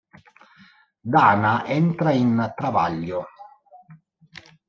Dana entra in travaglio.